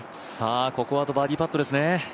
ここはあとバーディーパットですね。